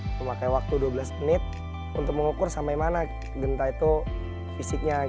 memakai waktu dua belas menit untuk mengukur sampai mana genta itu fisiknya